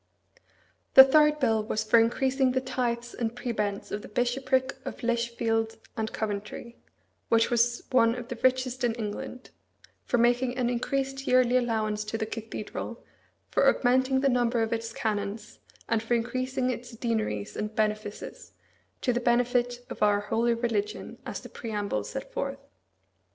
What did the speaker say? The third bill was for increasing the tithes and prebends of the Bishopric of Lichfield and Coventry, which was one of the richest in England; for making an increased yearly allowance to the cathedral, for augmenting the number of its canons, and for increasing its deaneries and benefices, "to the benefit of our holy religion," as the preamble set forth.